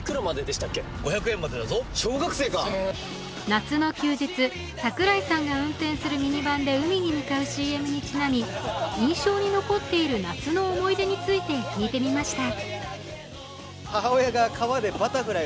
夏の休日、櫻井さんが運転するミニバンで海に向かうＣＭにちなみ、印象に残っている夏の思い出について聞いてみました。